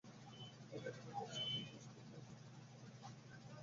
আমি বুঝতে পেরেছি আমি বুঝতে পেরেছি - ঠিক আছে, ছেড়ে দিতে পারো।